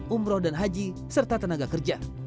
umroh dan haji serta tenaga kerja